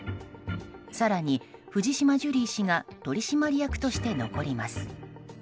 更に、藤島ジュリー氏が取締役として残ります。